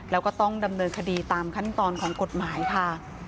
แล้วก็ต้องดำเนินคดีตามขั้นตอนของกฎหมายค่ะ